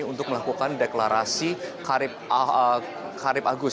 untuk melakukan deklarasi karib agus